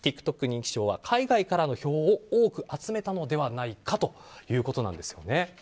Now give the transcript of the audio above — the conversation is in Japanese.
ＴｉｋＴｏｋ人気賞は海外からの票を多く集めたのではないかということなんです。